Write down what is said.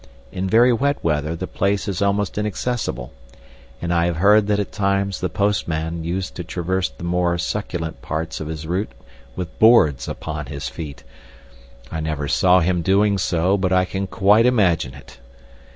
In very wet weather the place is almost inaccessible, and I have heard that at times the postman used to traverse the more succulent portions of his route with boards upon his feet. I never saw him doing so, but I can quite imagine it.